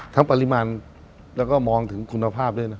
ปริมาณแล้วก็มองถึงคุณภาพด้วยนะ